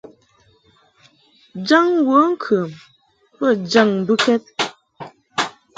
Jaŋ wəŋkəm ka bə jaŋ mbɨkɛd.